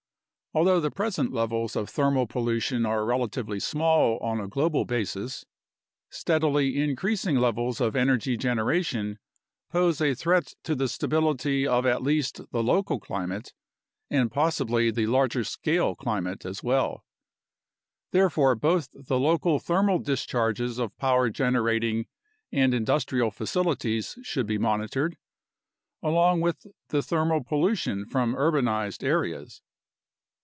Although the present levels of thermal pollution are relatively small on a global basis, steadily increasing levels of energy generation pose a threat to the stability of at least the local climate and possibly the larger scale climate as well. Therefore both the local thermal discharges of power generating and industrial facilities should be monitored, along with the thermal pollution from urbanized areas.